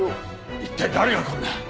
一体誰がこんな。